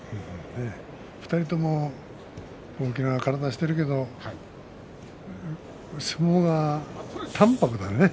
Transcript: ２人とも大きな体してるけれども相撲が淡泊だね。